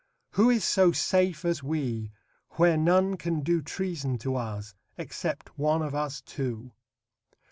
Who is so safe as we, where none can do Treason to us, except one of us two?